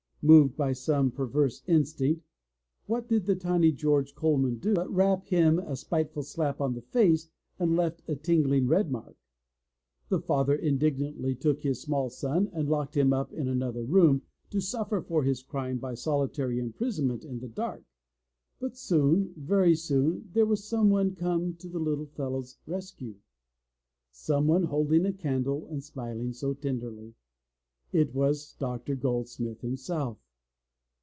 Moved by some perverse instinct, what did the tiny George Coleman do, but rap him a spiteful slap on the face that left a tingling red mark. The father indignantly took his small son and locked him up in another room to suffer for his crime by solitary imprisonment in the dark. But soon, very soon, there was some one come to the little fellow's rescue, some one holding a candle and smiling so tenderly. It was Dr. Goldsmith himself.